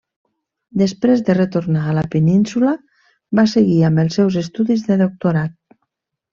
Després de retornar a la península, va seguir amb els seus estudis de doctorat.